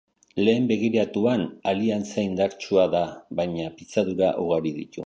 Lehen begiratuan, aliantza indartsua da baina, pitzadura ugari ditu.